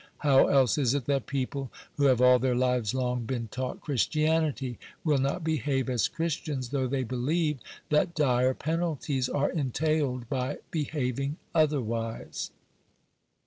How else is it that people, who have all their lives long been taught Christianity, will not behave as Christians, though they believe that dire penalties are entailed by behaving otherwise